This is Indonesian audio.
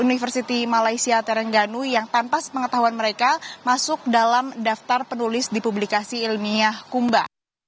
university malaysia terengganu yang tanpa sepengetahuan mereka masuk dalam daftar penulis di publikasi ilmiah kumba